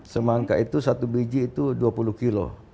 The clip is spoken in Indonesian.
semangka itu satu biji itu dua puluh kilo